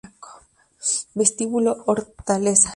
Vestíbulo Hortaleza